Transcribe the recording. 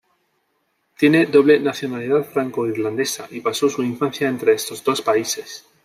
Tiene doble nacionalidad franco-irlandesa y pasó su infancia entre estos dos países.